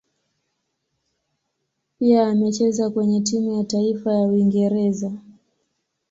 Pia amecheza kwenye timu ya taifa ya Uingereza.